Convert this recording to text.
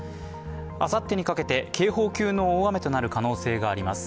あさってにかけて警報級の大雨となる可能性があります。